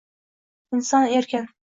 Inson erkin —